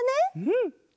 うん！